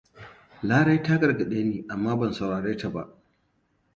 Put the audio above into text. Lare ta gargaɗe ni, amma ban saurare ta ba.